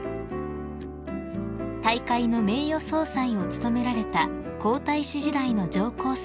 ［大会の名誉総裁を務められた皇太子時代の上皇さま］